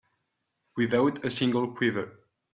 Without a single quiver.